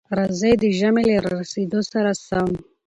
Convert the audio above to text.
راځئ، د ژمي له را رسېدو سره سم،